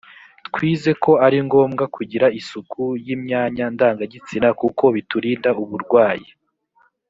twize ko ari ngombwa kugira isuku y imyanya ndangagitsina kuko biturinda uburwayi